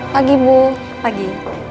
pagi bu pagi